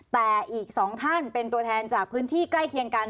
แต่อีก๒ท่านเป็นตัวแทนจากพื้นที่ใกล้เคียงกัน